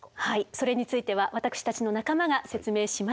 それについては私たちの仲間が説明します。